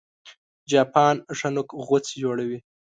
چاپان ښه نوک غوڅي جوړوي